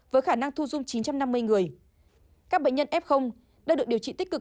với khả năng thu dung chín trăm năm mươi người các bệnh nhân f đang được điều trị tích cực